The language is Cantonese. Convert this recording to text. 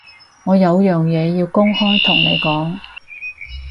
我有樣嘢要公開同你講